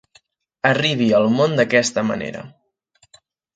Arribi al món d'aquesta manera.